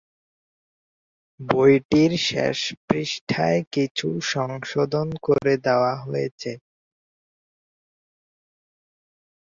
বইটির শেষ পৃষ্ঠায় কিছু সংশোধন করে দেওয়া হয়েছে।